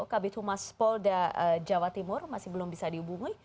kabit humas polda jawa timur masih belum bisa dihubungi